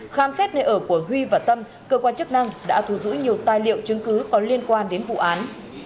khám xét nơi ở của huy và tâm cơ quan chức năng đã thu giữ nhiều tài liệu chứng cứ có liên quan đến vụ án